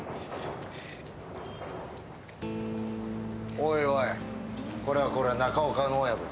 おいおい、これはこれは中岡の親分。